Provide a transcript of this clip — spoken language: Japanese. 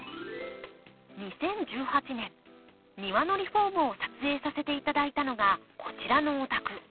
２０１８年庭のリフォームを撮影させて頂いたのがこちらのお宅。